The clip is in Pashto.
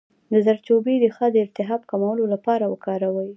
د زردچوبې ریښه د التهاب د کمولو لپاره وکاروئ